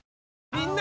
みんな！